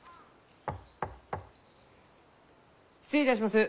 失礼いたします。